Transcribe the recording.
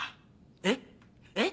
えっ？えっ？